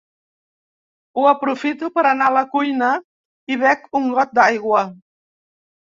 Ho aprofito per anar a la cuina i bec un got d’aigua.